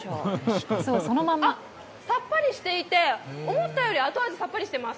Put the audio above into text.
さっぱりしていて、思ったより後味さっぱりしています。